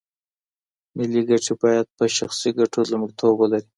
ملي ګټې باید په شخصي ګټو لومړیتوب ولري.